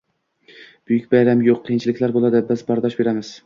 buyuk bayram yo'q, qiyinchiliklar bo'ladi, biz bardosh beramiz